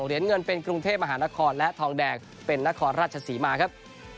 เหรียญเงินเป็นกรุงเทพมหานครและทองแดงเป็นนครราชศรีมาครับ